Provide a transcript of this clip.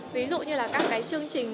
ví dụ như là các cái chương trình